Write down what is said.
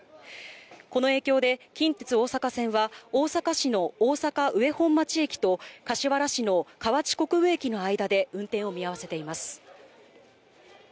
この影響で、近鉄大阪線は、大阪市の大阪上本町駅と、柏原市の河内国分駅の間で、運転を見合わせています。